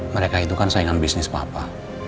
mereka itu kan saingan bisnis papa